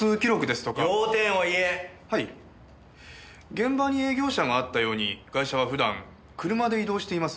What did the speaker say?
現場に営業車があったようにガイ者は普段車で移動しています。